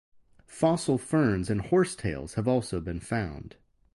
Fossil ferns and horsetails have also been found.